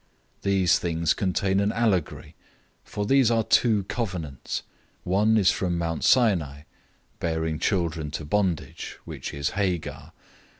004:024 These things contain an allegory, for these are two covenants. One is from Mount Sinai, bearing children to bondage, which is Hagar.